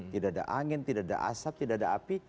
tidak ada angin tidak ada asap tidak ada api